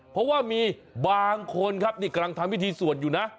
เพราะว่ามีบางคนกำลังทำวิธีส่วนอยู่นะ